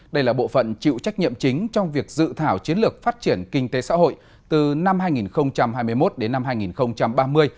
đây là bộ phận chịu trách nhiệm chính trong việc dự thảo chiến lược phát triển kinh tế xã hội từ năm hai nghìn hai mươi một đến năm hai nghìn ba mươi